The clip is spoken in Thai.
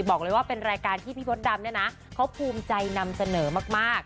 บอกเลยว่าเป็นรายการที่พี่มดดำเนี่ยนะเขาภูมิใจนำเสนอมาก